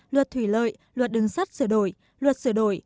luật thủy lợi luật đường sắt sửa đổi luật sửa đổi